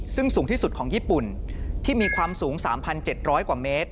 ซึ่งสูงที่สุดของญี่ปุ่นที่มีความสูง๓๗๐๐กว่าเมตร